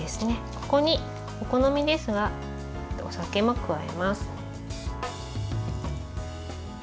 ここに、お好みですがお酒も加えます。